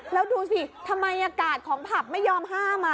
แล้วดูสิทำไมอากาศของผับไม่ยอมห้าม